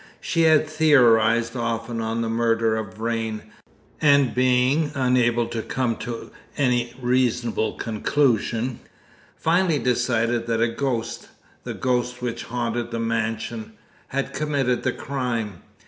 She had theorised often on the murder of Vrain, and being unable to come to any reasonable conclusion, finally decided that a ghost the ghost which haunted the mansion had committed the crime.